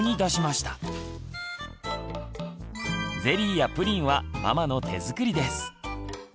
ゼリーやプリンはママの手作りです。